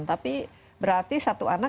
tapi berarti satu anak